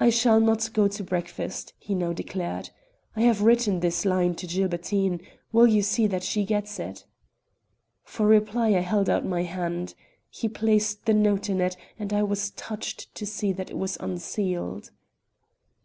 "I shall not go to breakfast," he now declared. "I have written this line to Gilbertine. Will you see that she gets it?" For reply I held out my hand. He placed the note in it, and I was touched to see that it was unsealed.